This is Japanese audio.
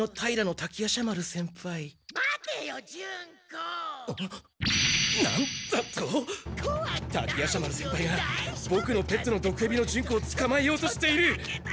滝夜叉丸先輩がボクのペットの毒ヘビのジュンコをつかまえようとしている！